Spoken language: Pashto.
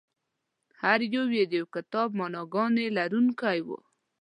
هر یو یې د یو کتاب معناګانې لرونکي وو.